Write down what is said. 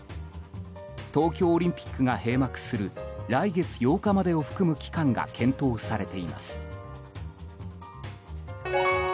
東京オリンピックが閉幕する来月８日までを含む期間が検討されています。